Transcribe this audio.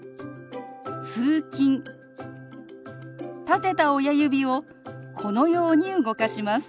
立てた親指をこのように動かします。